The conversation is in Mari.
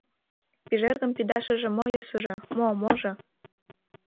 Пижергым пидашыже мо йӧсыжӧ, мо-можо?